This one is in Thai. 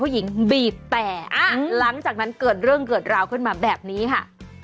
หลังจากนั้นเกิดเรื่องเกิดราวขึ้นมาแบบนี่ค่ะ